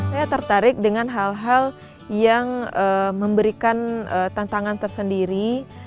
saya tertarik dengan hal hal yang memberikan tantangan tersendiri